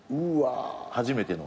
初めての。